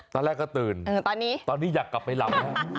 ตอนแรกก็ตื่นตอนนี้อยากกลับไปหลับ